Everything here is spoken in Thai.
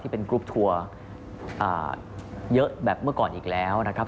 เป็นกรุ๊ปทัวร์เยอะแบบเมื่อก่อนอีกแล้วนะครับ